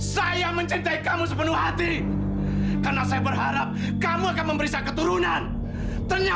sampai jumpa di video selanjutnya